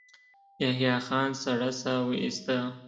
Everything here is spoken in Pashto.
يحيی خان سړه سا وايسته.